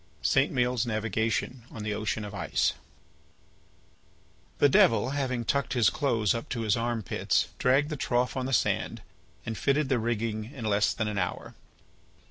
IV. ST. MAËL'S NAVIGATION ON THE OCEAN OF ICE The Devil, having tucked his clothes up to his arm pits, dragged the trough on the sand, and fitted the rigging in less than an hour.